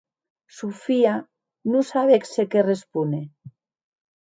Sofia non sabec se qué respóner.